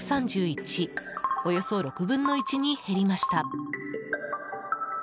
およそ６分の１に減りました。